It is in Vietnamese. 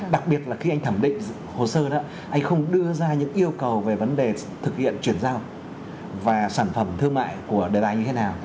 đặc biệt là khi anh thẩm định hồ sơ đó anh không đưa ra những yêu cầu về vấn đề thực hiện chuyển giao và sản phẩm thương mại của đề tài như thế nào